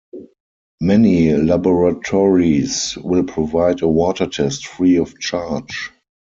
Many laboratories will provide a water test free of charge.